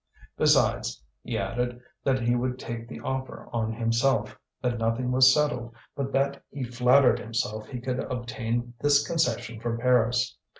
Besides, he added that he would take the offer on himself, that nothing was settled, but that he flattered himself he could obtain this concession from Paris.